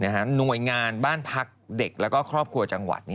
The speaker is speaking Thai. หน่วยงานบ้านพักเด็กและครอบครัวจังหวัด